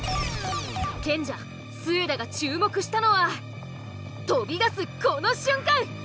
賢者・末田が注目したのは飛び出すこの瞬間！